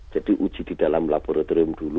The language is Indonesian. jadi uji di dalam laboratorium dulu